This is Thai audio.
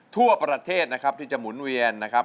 ทั่วประเทศนะครับที่จะหมุนเวียนนะครับ